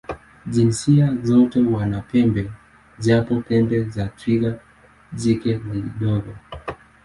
Jinsia zote wana pembe, japo pembe za twiga jike ni ndogo.